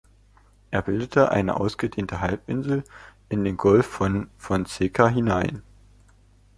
Er bildet eine ausgedehnte Halbinsel in den Golf von Fonseca hinein.